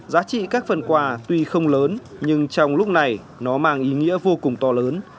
giá trị các phần quà tuy không lớn nhưng trong lúc này nó mang ý nghĩa vô cùng to lớn